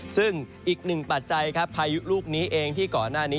ซึ่งอีกหนึ่งปัจจัยครับพายุลูกนี้เองที่ก่อนหน้านี้